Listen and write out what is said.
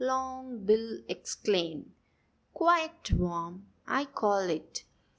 Long Bill exclaimed. "Quite warm I call it!"